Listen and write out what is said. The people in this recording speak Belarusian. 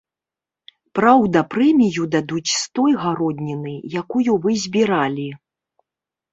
Праўда, прэмію дадуць з той гародніны, якую вы збіралі.